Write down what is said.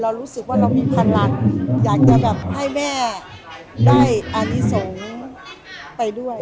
รู้สึกว่าเรามีพลังอยากจะแบบให้แม่ได้อนิสงฆ์ไปด้วย